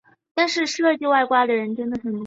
以氢氧化钾倒在菌肉上会出现黄色着色。